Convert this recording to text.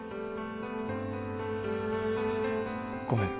ごめん。